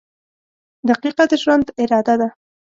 • دقیقه د ژوند اراده ده.